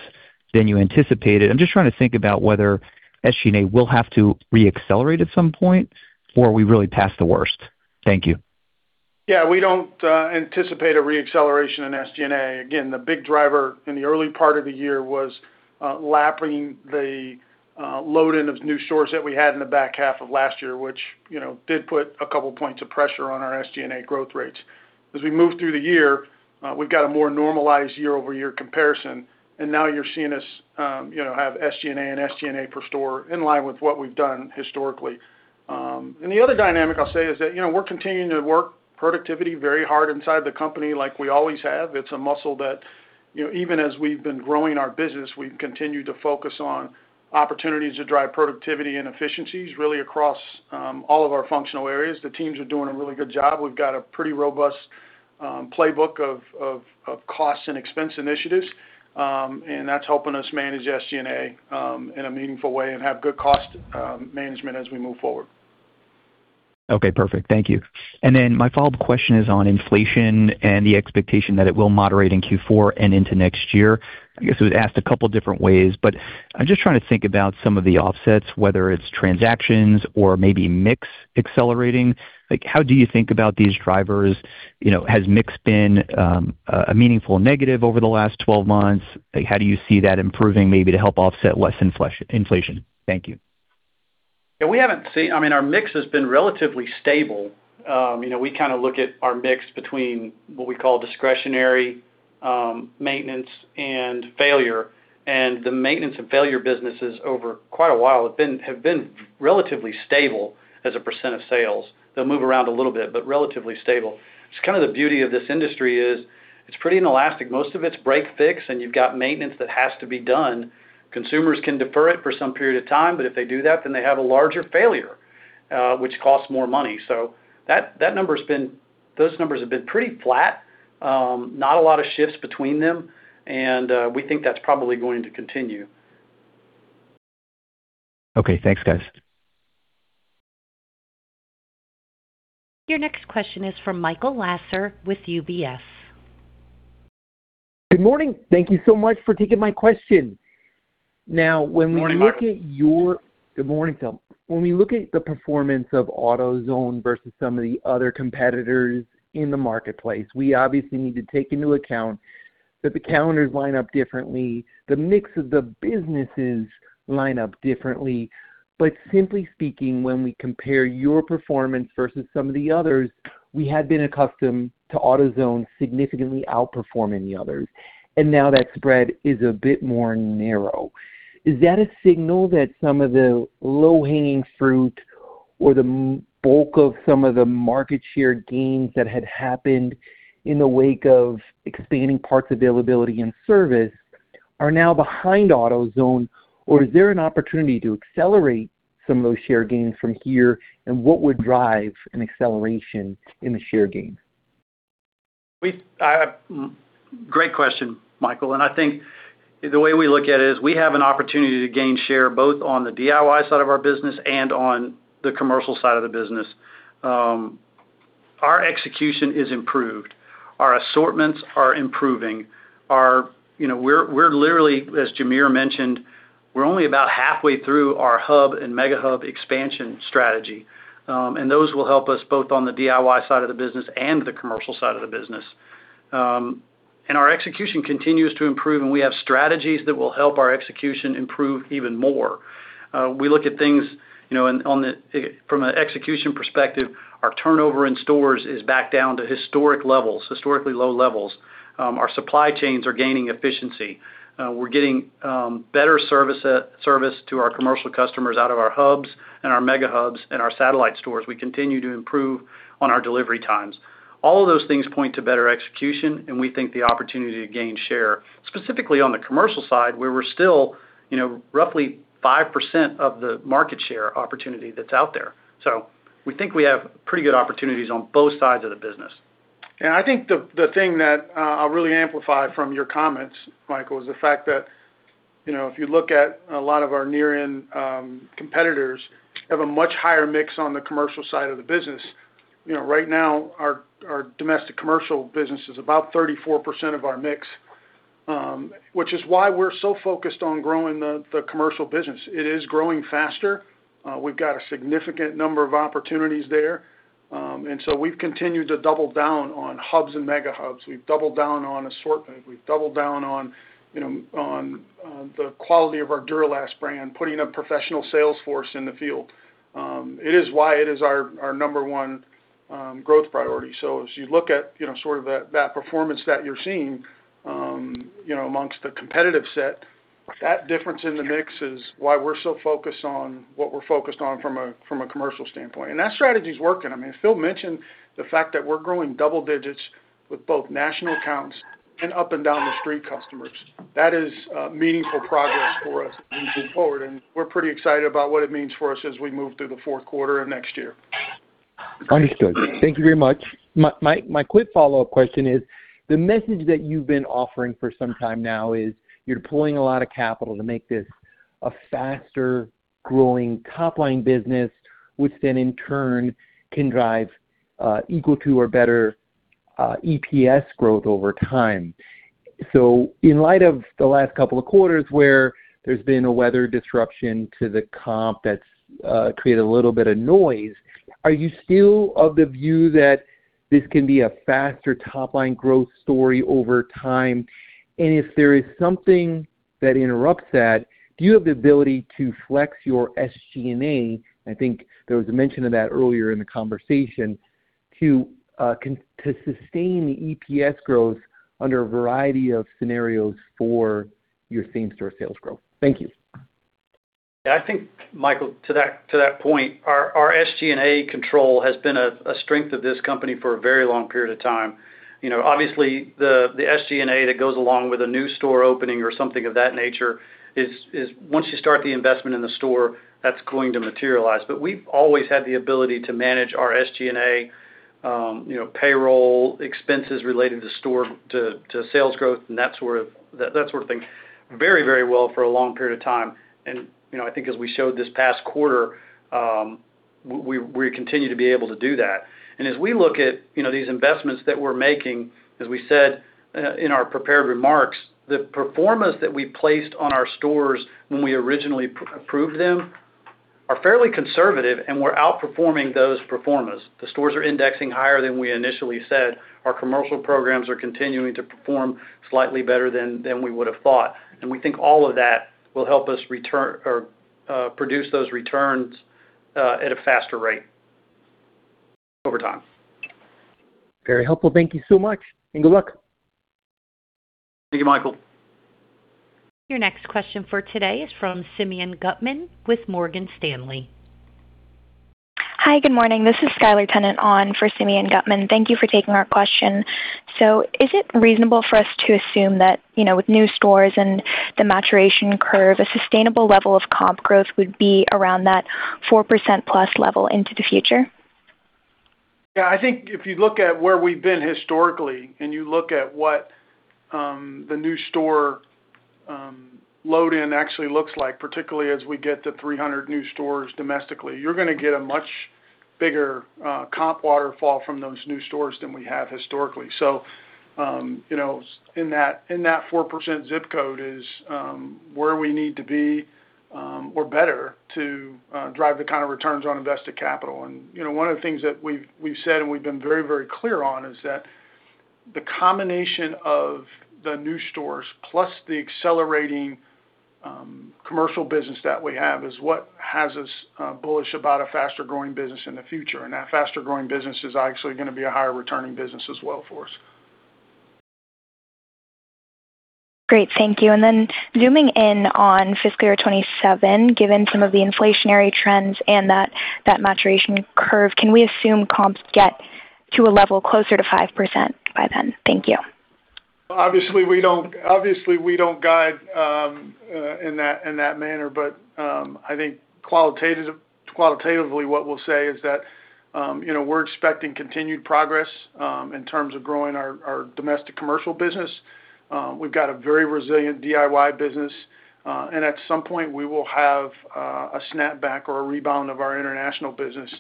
than you anticipated? I'm just trying to think about whether SG&A will have to re-accelerate at some point, or are we really past the worst? Thank you. Yeah, we don't anticipate a re-acceleration in SG&A. The big driver in the early part of the year was lapping the load in of new stores that we had in the back half of last year, which did put a couple points of pressure on our SG&A growth rates. As we move through the year, we've got a more normalized year-over-year comparison, now you're seeing us have SG&A and SG&A per store in line with what we've done historically. The other dynamic I'll say is that we're continuing to work productivity very hard inside the company like we always have. It's a muscle that, even as we've been growing our business, we've continued to focus on opportunities to drive productivity and efficiencies really across all of our functional areas. The teams are doing a really good job. We've got a pretty robust playbook of cost and expense initiatives, and that's helping us manage SG&A in a meaningful way and have good cost management as we move forward. Okay, perfect. Thank you. My follow-up question is on inflation and the expectation that it will moderate in Q4 and into next year. I guess it was asked a couple different ways, but I'm just trying to think about some of the offsets, whether it's transactions or maybe mix accelerating. How do you think about these drivers? Has mix been a meaningful negative over the last 12 months? How do you see that improving maybe to help offset less inflation? Thank you. Our mix has been relatively stable. We look at our mix between what we call discretionary, maintenance, and failure, and the maintenance and failure businesses over quite a while have been relatively stable as a percent of sales. They'll move around a little bit, but relatively stable. It's kind of the beauty of this industry is it's pretty inelastic. Most of it's break, fix, and you've got maintenance that has to be done. Consumers can defer it for some period of time, but if they do that, then they have a larger failure, which costs more money. Those numbers have been pretty flat. Not a lot of shifts between them, and we think that's probably going to continue. Okay. Thanks, guys. Your next question is from Michael Lasser with UBS. Good morning. Thank you so much for taking my question. Good morning, Michael. Good morning, Phil. When we look at the performance of AutoZone versus some of the other competitors in the marketplace, we obviously need to take into account that the calendars line up differently, the mix of the businesses line up differently. Simply speaking, when we compare your performance versus some of the others, we have been accustomed to AutoZone significantly outperforming the others. Now that spread is a bit more narrow. Is that a signal that some of the low-hanging fruit or the bulk of some of the market share gains that had happened in the wake of expanding parts availability and service are now behind AutoZone, or is there an opportunity to accelerate some of those share gains from here, and what would drive an acceleration in the share gains? Great question, Michael. I think the way we look at it is we have an opportunity to gain share both on the DIY side of our business and on the commercial side of the business. Our execution is improved. Our assortments are improving. As Jamere mentioned, we're only about halfway through our Hub and MegaHub expansion strategy. Those will help us both on the DIY side of the business and the commercial side of the business. Our execution continues to improve, and we have strategies that will help our execution improve even more. We look at things from an execution perspective, our turnover in stores is back down to historic levels, historically low levels. Our supply chains are gaining efficiency. We're getting better service to our commercial customers out of our Hubs and our MegaHubs and our satellite stores. We continue to improve on our delivery times. All of those things point to better execution, and we think the opportunity to gain share, specifically on the commercial side, where we're still roughly 5% of the market share opportunity that's out there. We think we have pretty good opportunities on both sides of the business. I think the thing that I'll really amplify from your comments, Michael, is the fact that if you look at a lot of our near-end competitors have a much higher mix on the commercial side of the business. Right now, our domestic commercial business is about 34% of our mix, which is why we're so focused on growing the commercial business. It is growing faster. We've got a significant number of opportunities there. We've continued to double down on Hubs and MegaHubs. We've doubled down on assortment. We've doubled down on the quality of our Duralast brand, putting a professional sales force in the field. It is why it is our number one growth priority. As you look at that performance that you're seeing amongst the competitive set, that difference in the mix is why we're so focused on what we're focused on from a commercial standpoint. That strategy is working. Phil mentioned the fact that we're growing double digits with both national accounts and up-and-down-the-street customers. That is a meaningful progress for us moving forward, and we're pretty excited about what it means for us as we move through the fourth quarter and next year. Understood. Thank you very much. My quick follow-up question is, the message that you've been offering for some time now is you're pulling a lot of capital to make this a faster-growing top-line business, which then in turn can drive equal to or better EPS growth over time. In light of the last couple of quarters where there's been a weather disruption to the comp that's created a little bit of noise, are you still of the view that this can be a faster top-line growth story over time? If there is something that interrupts that, do you have the ability to flex your SG&A? I think there was a mention of that earlier in the conversation, to sustain the EPS growth under a variety of scenarios for your same-store sales growth. Thank you. I think, Michael, to that point, our SG&A control has been a strength of this company for a very long period of time. Obviously, the SG&A that goes along with a new store opening or something of that nature is once you start the investment in the store, that's going to materialize. We've always had the ability to manage our SG&A, payroll expenses related to sales growth and that sort of thing very well for a long period of time. I think as we showed this past quarter, we continue to be able to do that. As we look at these investments that we're making, as we said in our prepared remarks, the performance that we placed on our stores when we originally approved them are fairly conservative, and we're outperforming those performance. The stores are indexing higher than we initially said. Our commercial programs are continuing to perform slightly better than we would have thought. We think all of that will help us produce those returns at a faster rate over time. Very helpful. Thank you so much. Good luck. Thank you, Michael. Your next question for today is from Simeon Gutman with Morgan Stanley. Hi, good morning. This is Sally Tennant on for Simeon Gutman. Thank you for taking our question. Is it reasonable for us to assume that with new stores and the maturation curve, a sustainable level of comp growth would be around that 4%+ level into the future? Yeah, I think if you look at where we've been historically and you look at what the new store load in actually looks like, particularly as we get to 300 new stores domestically, you're going to get a much bigger comp waterfall from those new stores than we have historically. In that 4% ZIP code is where we need to be or better to drive the kind of returns on invested capital. One of the things that we've said and we've been very clear on is that the combination of the new stores plus the accelerating commercial business that we have is what has us bullish about a faster-growing business in the future. That faster-growing business is actually going to be a higher-returning business as well for us. Great. Thank you. Then zooming in on FY 2027, given some of the inflationary trends and that maturation curve, can we assume comps get to a level closer to 5% by then? Thank you. Obviously, we don't guide in that manner, but I think qualitatively what we'll say is that we're expecting continued progress in terms of growing our domestic commercial business. We've got a very resilient DIY business. At some point, we will have a snapback or a rebound of our international business.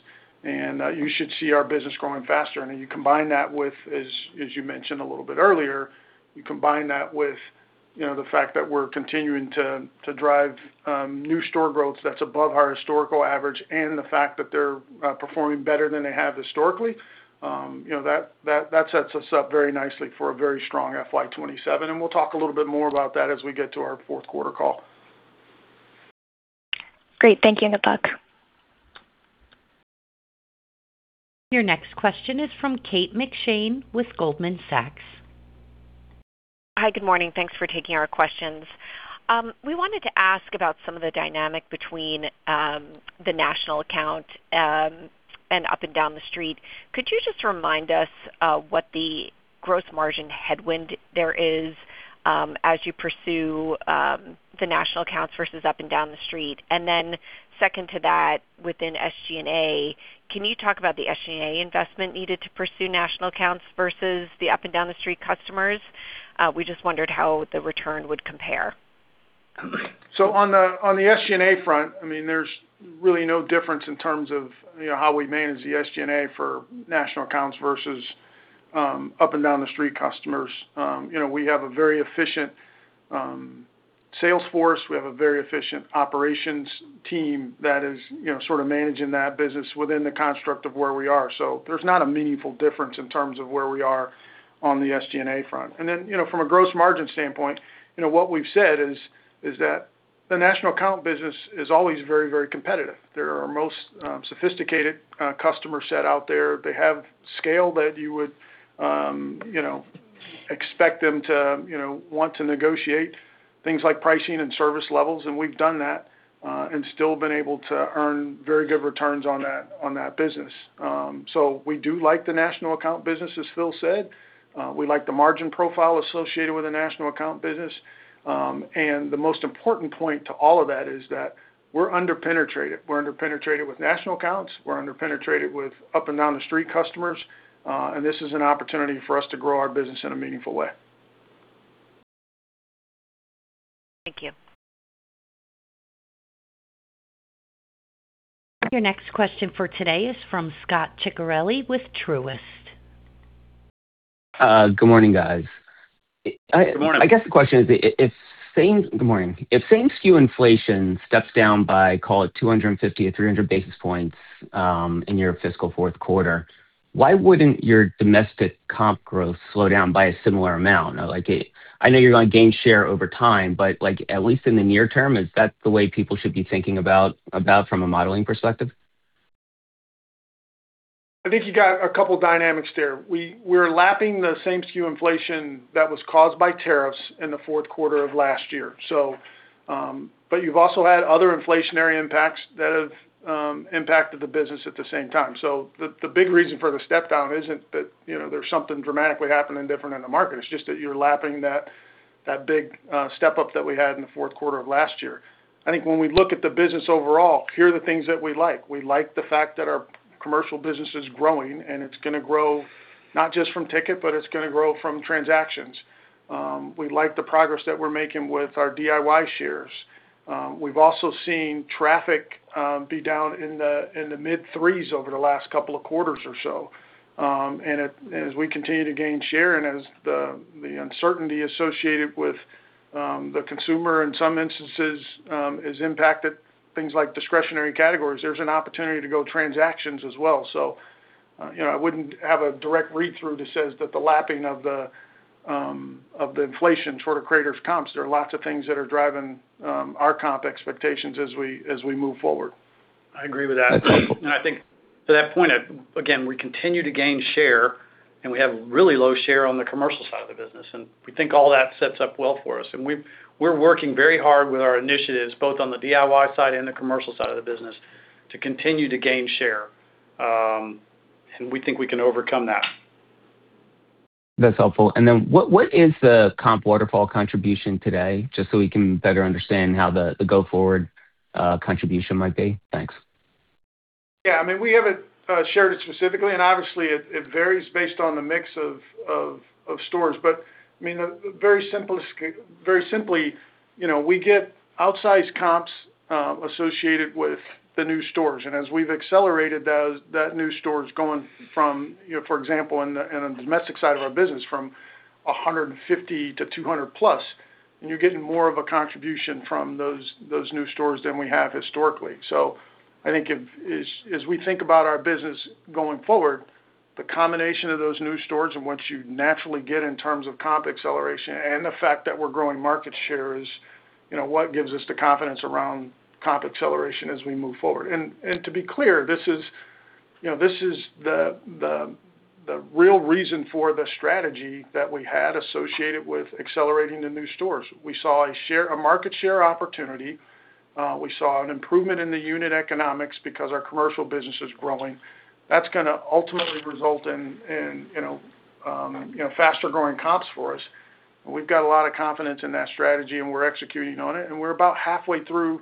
You should see our business growing faster. You combine that with, as you mentioned a little bit earlier, you combine that with the fact that we're continuing to drive new store growth that's above our historical average and the fact that they're performing better than they have historically. That sets us up very nicely for a very strong FY 2027. We'll talk a little bit more about that as we get to our fourth quarter call. Great. Thank you and good luck. Your next question is from Kate McShane with Goldman Sachs. Hi, good morning. Thanks for taking our questions. We wanted to ask about some of the dynamic between the national account and up and down the street. Could you just remind us what the growth margin headwind there is as you pursue the national accounts versus up and down the street? Then second to that, within SG&A, can you talk about the SG&A investment needed to pursue national accounts versus the up-and-down-the-street customers? We just wondered how the return would compare. On the SG&A front, there's really no difference in terms of how we manage the SG&A for national accounts versus up-and-down-the-street customers. We have a very efficient sales force. We have a very efficient operations team that is sort of managing that business within the construct of where we are. There's not a meaningful difference in terms of where we are on the SG&A front. From a gross margin standpoint, what we've said is that the national account business is always very competitive. They're our most sophisticated customer set out there. They have scale that you would expect them to want to negotiate things like pricing and service levels, and we've done that and still been able to earn very good returns on that business. We do like the national account business, as Phil said. We like the margin profile associated with the national account business. The most important point to all of that is that we're under-penetrated. We're under-penetrated with national accounts. We're under-penetrated with up-and-down-the-street customers. This is an opportunity for us to grow our business in a meaningful way. Thank you. Your next question for today is from Scot Ciccarelli with Truist. Good morning, guys. I guess the question is- Good morning. If same-store inflation steps down by, call it 250-300 basis points in your fiscal fourth quarter, why wouldn't your domestic comp growth slow down by a similar amount? I know you're going to gain share over time, but at least in the near term, is that the way people should be thinking about from a modeling perspective? I think you got a couple of dynamics there. We're lapping the same-store inflation that was caused by tariffs in the fourth quarter of last year. You've also had other inflationary impacts that have impacted the business at the same time. The big reason for the step down isn't that there's something dramatically happening different in the market. It's just that you're lapping that big step up that we had in the fourth quarter of last year. I think when we look at the business overall, here are the things that we like. We like the fact that our commercial business is growing, and it's going to grow not just from ticket, but it's going to grow from transactions. We like the progress that we're making with our DIY shares. We've also seen traffic be down in the mid-threes over the last couple of quarters or so. As we continue to gain share and as the uncertainty associated with the consumer in some instances has impacted things like discretionary categories, there's an opportunity to grow transactions as well. I wouldn't have a direct read-through that says that the lapping of the inflation sort of craters comps. There are lots of things that are driving our comp expectations as we move forward. I agree with that. I think to that point, again, we continue to gain share, and we have really low share on the commercial side of the business, and we think all that sets up well for us. We're working very hard with our initiatives, both on the DIY side and the commercial side of the business, to continue to gain share. We think we can overcome that. That's helpful. What is the comp waterfall contribution today, just so we can better understand how the go-forward contribution might be? Thanks. Yeah, we haven't shared it specifically, obviously, it varies based on the mix of stores. Very simply, we get outsized comps associated with the new stores. As we've accelerated that new stores going from, for example, in the domestic side of our business, from 150-200+, and you're getting more of a contribution from those new stores than we have historically. I think as we think about our business going forward, the combination of those new stores and what you naturally get in terms of comp acceleration and the fact that we're growing market share is what gives us the confidence around comp acceleration as we move forward. To be clear, this is the real reason for the strategy that we had associated with accelerating the new stores. We saw a market share opportunity. We saw an improvement in the unit economics because our commercial business is growing. That's going to ultimately result in faster-growing comps for us. We've got a lot of confidence in that strategy, and we're executing on it. We're about halfway through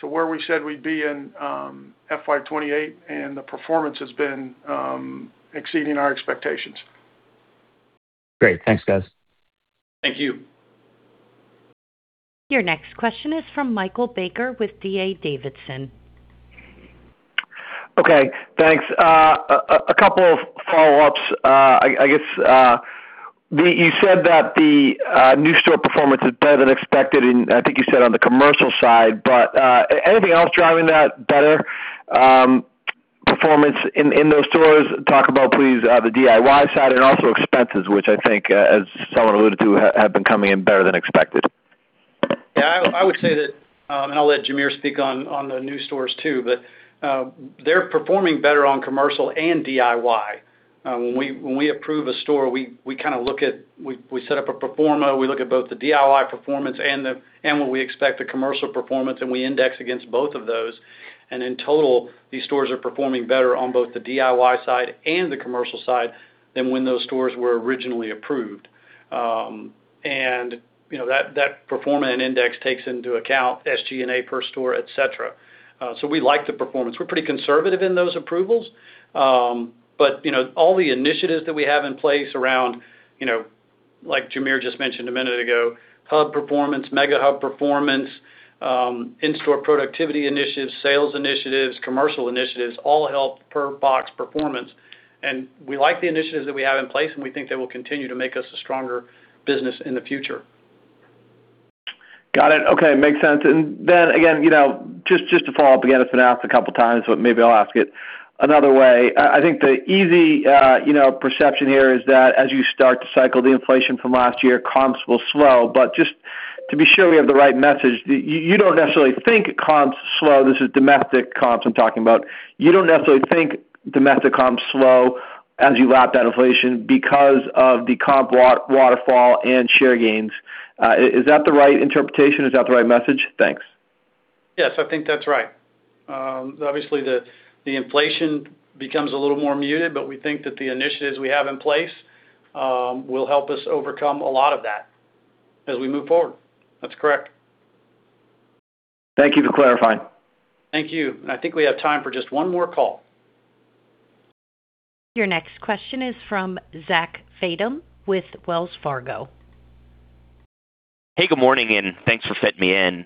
to where we said we'd be in FY 2028, and the performance has been exceeding our expectations. Great. Thanks, guys. Thank you. Your next question is from Michael Baker with D.A. Davidson. Okay, thanks. A couple of follow-ups. I guess, you said that the new store performance is better than expected, and I think you said on the commercial side, but anything else driving that better performance in those stores? Talk about please the DIY side and also expenses, which I think as some alluded to, have been coming in better than expected. Yeah, I would say that, and I'll let Jamere speak on the new stores, too, but they're performing better on commercial and DIY. When we approve a store, we set up a pro forma. We look at both the DIY performance and what we expect the commercial performance, and we index against both of those. In total, these stores are performing better on both the DIY side and the commercial side than when those stores were originally approved. That pro forma and index takes into account SG&A per store, et cetera. We like the performance. We're pretty conservative in those approvals. All the initiatives that we have in place around Like Jamere just mentioned a minute ago, Hub performance, MegaHub performance, in-store productivity initiatives, sales initiatives, commercial initiatives, all help per box performance. We like the initiatives that we have in place, and we think they will continue to make us a stronger business in the future. Got it. Okay, makes sense. Then again, just to follow up, again, it's been asked a couple of times, but maybe I'll ask it another way. I think the easy perception here is that as you start to cycle the inflation from last year, comps will slow. Just to be sure we have the right message, you don't necessarily think comps slow. This is domestic comps I'm talking about. You don't necessarily think domestic comps slow as you lap that inflation because of the comp waterfall and share gains. Is that the right interpretation? Is that the right message? Thanks. Yes, I think that's right. Obviously, the inflation becomes a little more muted, but we think that the initiatives we have in place will help us overcome a lot of that as we move forward. That's correct. Thank you for clarifying. Thank you. I think we have time for just one more call. Your next question is from Zach Fadem with Wells Fargo. Hey, good morning, and thanks for fitting me in.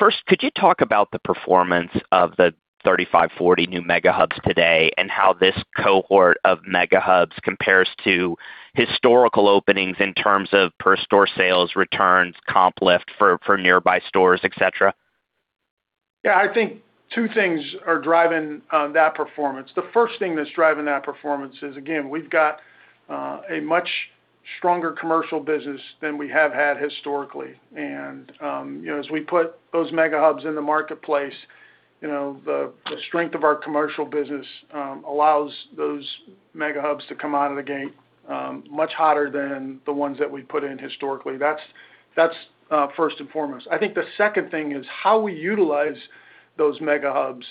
First, could you talk about the performance of the 35-40 new MegaHubs today and how this cohort of MegaHubs compares to historical openings in terms of per store sales, returns, comp lift for nearby stores, et cetera? Yeah, I think two things are driving that performance. The first thing that's driving that performance is, again, we've got a much stronger commercial business than we have had historically. As we put those MegaHubs in the marketplace, the strength of our commercial business allows those MegaHubs to come out of the gate much hotter than the ones that we put in historically. That's first and foremost. I think the second thing is how we utilize those MegaHubs,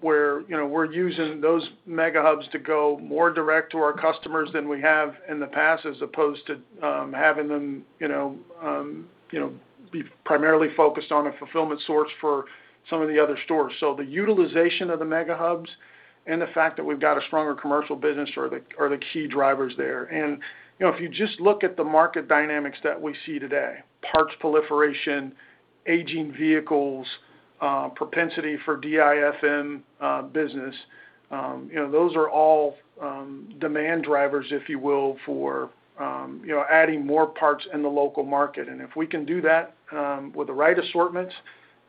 where we're using those MegaHubs to go more direct to our customers than we have in the past, as opposed to having them be primarily focused on a fulfillment source for some of the other stores. The utilization of the MegaHubs and the fact that we've got a stronger commercial business are the key drivers there. If you just look at the market dynamics that we see today, parts proliferation, aging vehicles, propensity for DIFM business, those are all demand drivers, if you will, for adding more parts in the local market. If we can do that with the right assortments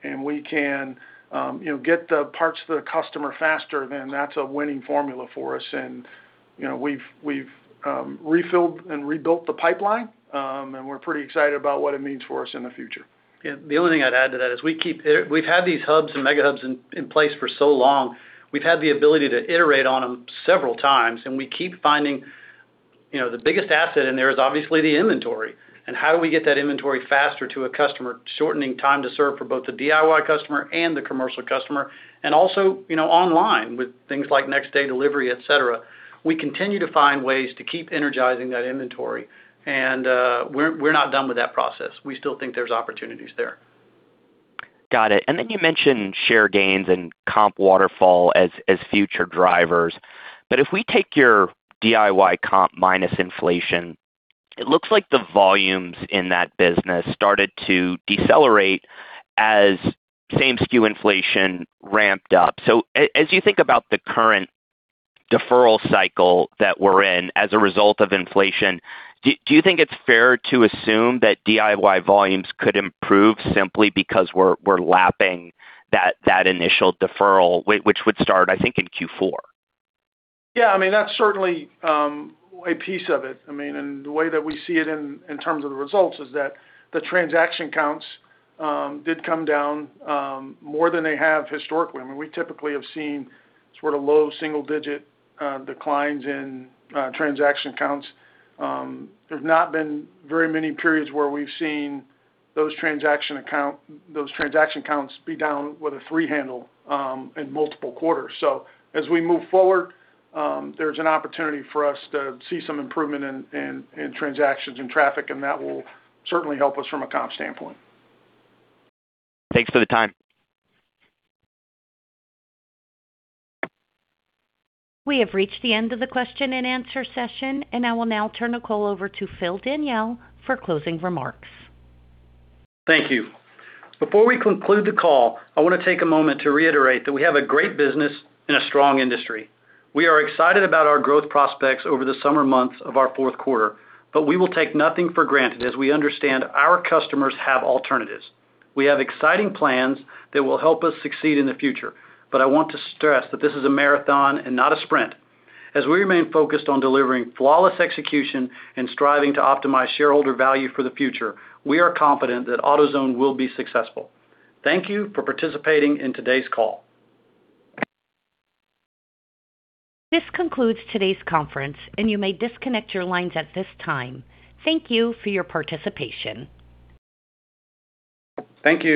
and we can get the parts to the customer faster, then that's a winning formula for us, and we've refilled and rebuilt the pipeline, and we're pretty excited about what it means for us in the future. Yeah. The only thing I'd add to that is we've had these Hubs and MegaHubs in place for so long, we've had the ability to iterate on them several times, and we keep finding the biggest asset in there is obviously the inventory and how we get that inventory faster to a customer, shortening time to serve for both the DIY customer and the commercial customer, and also online with things like next-day delivery, et cetera. We continue to find ways to keep energizing that inventory, and we're not done with that process. We still think there's opportunities there. Got it. Then you mentioned share gains and comp waterfall as future drivers. If we take your DIY comp minus inflation, it looks like the volumes in that business started to decelerate as same SKU inflation ramped up. As you think about the current deferral cycle that we're in as a result of inflation, do you think it's fair to assume that DIY volumes could improve simply because we're lapping that initial deferral, which would start, I think, in Q4? Yeah, that's certainly a piece of it. The way that we see it in terms of the results is that the transaction counts did come down more than they have historically. We typically have seen sort of low single-digit declines in transaction counts. There's not been very many periods where we've seen those transaction counts be down with a three handle in multiple quarters. As we move forward, there's an opportunity for us to see some improvement in transactions and traffic, and that will certainly help us from a comp standpoint. Thanks for the time. We have reached the end of the question and answer session, and I will now turn the call over to Phil Daniele for closing remarks. Thank you. Before we conclude the call, I want to take a moment to reiterate that we have a great business and a strong industry. We are excited about our growth prospects over the summer months of our fourth quarter. We will take nothing for granted as we understand our customers have alternatives. We have exciting plans that will help us succeed in the future. I want to stress that this is a marathon and not a sprint. As we remain focused on delivering flawless execution and striving to optimize shareholder value for the future, we are confident that AutoZone will be successful. Thank you for participating in today's call. This concludes today's conference, and you may disconnect your lines at this time. Thank you for your participation. Thank you.